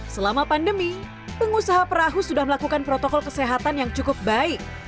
selama pandemi pengusaha perahu sudah melakukan protokol kesehatan yang cukup baik